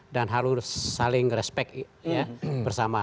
dan harus saling respect bersama